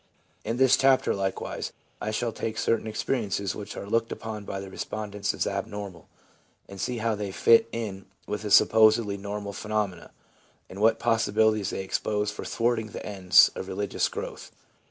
In this chapter, likewise, I shall take certain experiences which are looked upon by the respondents as abnormal, and see how they fit in with the supposedly normal phenomena, and what possibilities they expose for thwarting the ends of religious growth.